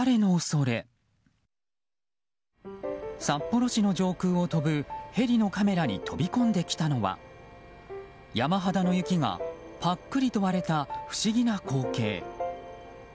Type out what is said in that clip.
札幌市の上空を飛ぶヘリのカメラに飛び込んできたのは山肌の雪がパックリと割れた不思議な光景。